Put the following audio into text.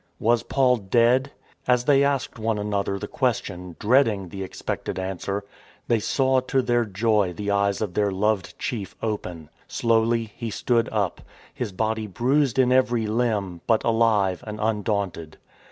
Was Paul dead? As they asked one another the question, dreading the expected answer, they saw, to their joy, the eyes of their loved chief open. Slowly he stood up, his body bruised in every limb; but alive and undaunted.